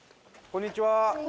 こんにちは。